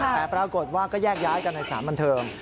แต่ปรากฏว่าก็แยกย้ายกันในสารบันเทิง